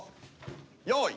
用意。